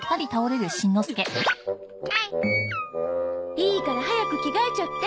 いいから早く着替えちゃって。